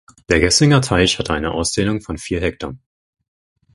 Der Gässinger Teich hatte eine Ausdehnung von vier Hektar.